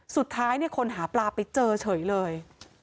สุดท้ายคนหาปลาไปเจอเฉยเลย